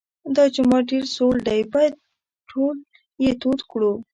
دا جومات ډېر سوړ دی باید ټول یې تود کړو.